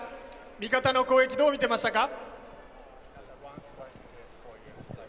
味方の攻撃、どう見てましたか？